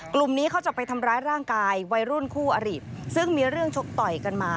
กลุ่มนี้เขาจะไปทำร้ายร่างกายวัยรุ่นคู่อริซึ่งมีเรื่องชกต่อยกันมา